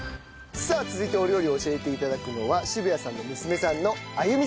さあ続いてお料理を教えて頂くのは渋谷さんの娘さんの歩美さんです。